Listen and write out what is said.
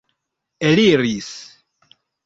eliris